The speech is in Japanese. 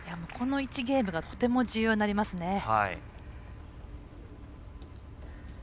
この１ゲームがとても重要になりますね。